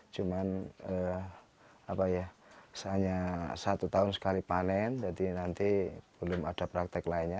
cuma hanya satu tahun sekali panen jadi nanti belum ada praktek lainnya